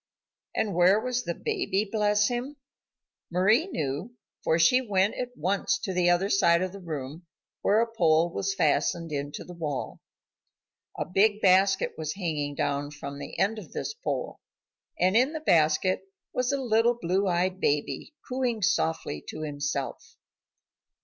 And where was the baby, bless him? Mari knew, for she went at once to the other side of the room where a pole was fastened into the wall. A big basket was hanging down from the end of this pole, and in the basket was a little blue eyed baby, cooing softly to himself.